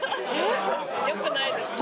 よくないですね。